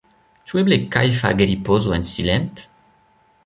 Ĉu eble kajfa geripozo en silent?